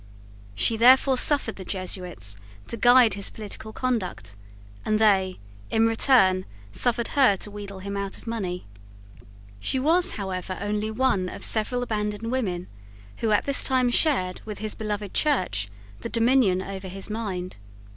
She therefore suffered the Jesuits to guide his political conduct and they, in return, suffered her to wheedle him out of money; She was, however, only one of several abandoned women who at this time shared, with his beloved Church, the dominion over his mind.